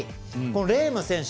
レーム選手